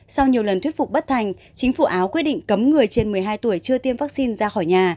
sau nhiều lần thuyết phục bất thành chính phủ áo quyết định cấm người trên một mươi hai tuổi chưa tiêm vaccine ra khỏi nhà